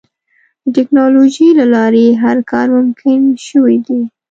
د ټکنالوجۍ له لارې هر کار ممکن شوی دی.